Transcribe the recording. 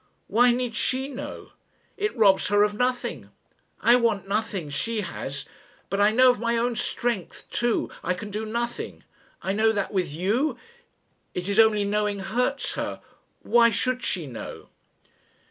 Why need she know? It robs her of nothing. I want nothing she has. But I know of my own strength too I can do nothing. I know that with you ... It is only knowing hurts her. Why should she know?"